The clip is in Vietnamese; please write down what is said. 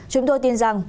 chúng tôi tin rằng